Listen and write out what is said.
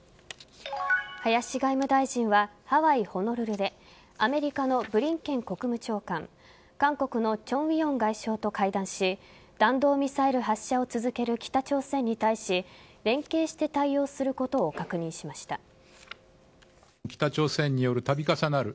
林外務大臣はハワイ・ホノルルでアメリカのブリンケン国務長官韓国のチョン・ウィヨン外相と会談し弾道ミサイル発射を続ける北朝鮮に対し連携して対応することを確認しました。